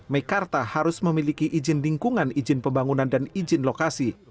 mekarta harus memiliki izin lingkungan izin pembangunan dan izin lokasi